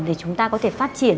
để chúng ta có thể phát triển